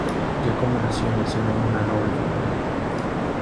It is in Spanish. Giacomo nació en el seno de una familia noble.